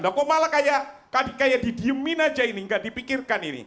loh kok malah kayak didiemin aja ini nggak dipikirkan ini